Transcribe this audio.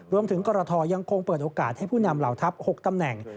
กรทยังคงเปิดโอกาสให้ผู้นำเหล่าทัพ๖ตำแหน่ง